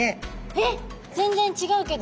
えっ全然違うけど。